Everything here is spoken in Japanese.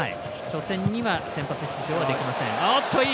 初戦には先発出場はできません。